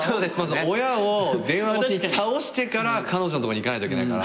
親を電話越しに倒してから彼女のとこに行かないといけないから。